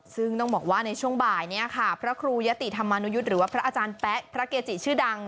ซึ่งต้องบอกว่าในช่วงบ่ายเนี่ยค่ะพระครูยะติธรรมานุยุทธ์หรือว่าพระอาจารย์แป๊ะพระเกจิชื่อดัง